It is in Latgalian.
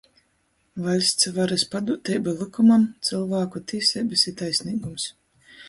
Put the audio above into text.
Vaļsts varys padūteiba lykumam, cylvāku tīseibys i taisneigums.